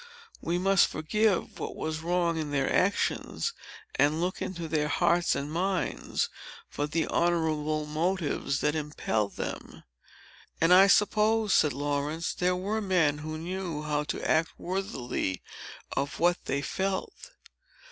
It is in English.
We must forgive what was wrong in their actions, and look into their hearts and minds for the honorable motives that impelled them." "And I suppose," said Laurence, "there were men who knew how to act worthily of what they felt."